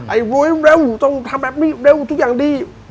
วุ๊ยเร็วต้องทำแบบนี้เร็วทุกอย่างดี